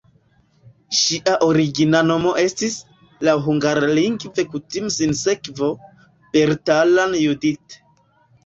Ŝia origina nomo estis (laŭ hungarlingve kutima sinsekvo) "Bertalan Judit".